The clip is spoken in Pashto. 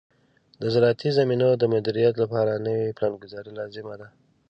د زراعتي زمینو د مدیریت لپاره نوې پلانګذاري لازم ده.